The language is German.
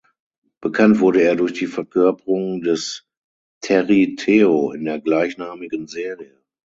Bekannt wurde er durch die Verkörperung des Terry Teo in der gleichnamigen Serie.